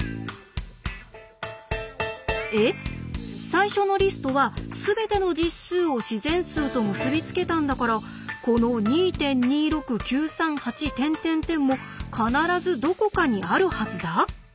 最初のリストはすべての実数を自然数と結び付けたんだからこの２．２６９３８も必ずどこかにあるはずだ？